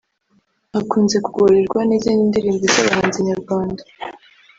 hakunze kugorerwa n’izindi ndirimbo z’abahanzi Nyarwanda